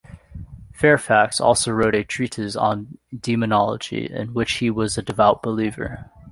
Fairfax also wrote a treatise on "demonology", in which he was a devout believer.